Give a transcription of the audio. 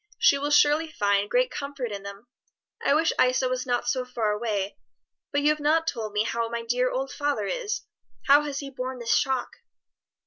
she will surely find great comfort in them. I wish Isa was not so far away. But you have not told me how my dear old father is. How has he borne this shock?"